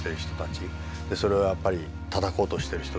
それをやっぱりたたこうとしてる人たち。